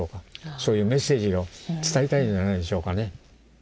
そういうメッセージを伝えたいんじゃないんでしょうかね。